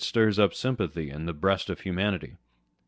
stirs up sympathy in the breast of humanity.